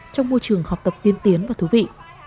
trong môi trường học tập tiên tiến và thú vị